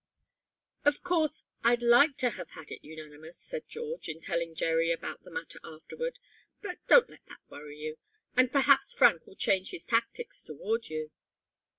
"Of course, I'd like to have had it unanimous," said George, in telling Jerry about the matter afterward. "But don't let that worry you, and perhaps Frank will change his tactics toward you."